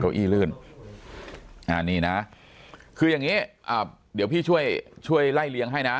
อี้ลื่นอ่านี่นะคืออย่างนี้เดี๋ยวพี่ช่วยช่วยไล่เลี้ยงให้นะ